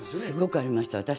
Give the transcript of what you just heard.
すごくありました。